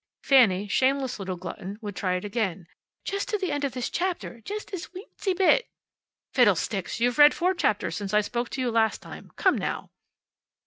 Fanny, shameless little glutton, would try it again. "Just to the end of this chapter! Just this weenty bit!" "Fiddlesticks! You've read four chapters since I spoke to you the last time. Come now!"